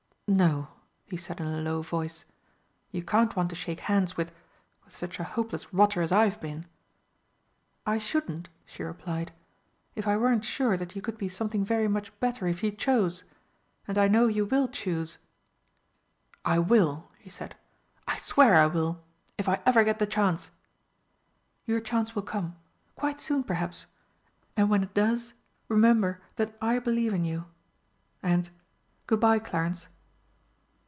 "No," he said in a low voice, "you can't want to shake hands with with such a hopeless rotter as I've been!" "I shouldn't," she replied, "if I weren't sure that you could be something very much better if you chose. And I know you will choose." "I will," he said, "I swear I will if I ever get the chance!" "Your chance will come. Quite soon, perhaps. And when it does, remember that I believe in you and, good bye, Clarence."